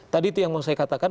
tadi itu yang mau saya katakan